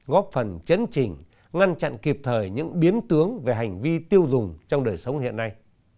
góp phần chấn trình ngăn chặn kịp thời những biến tướng về hành vi tiêu dùng trong đời sống hiện nay